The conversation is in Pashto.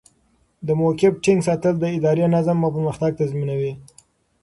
د موقف ټینګ ساتل د ادارې نظم او پرمختګ تضمینوي.